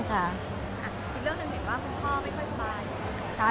อีกเรื่องถึงคุณพ่อค่ะว่าไม่ค่อยสบาย